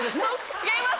違います！